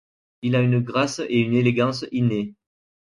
Il a une grâce et une élégance innée.